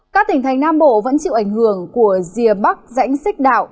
các tỉnh thành nam bộ vẫn chịu ảnh hưởng của rìa bắc rãnh xích đạo